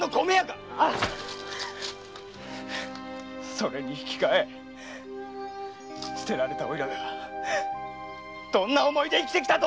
それにひきかえ捨てられたおいらがどんな思いで生きてきたと思うんだ！